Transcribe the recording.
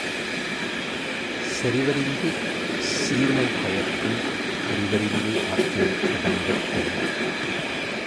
செறிவறிந்து சீர்மை பயக்கும் அறிவறிந்து ஆற்றின் அடங்கப் பெறின்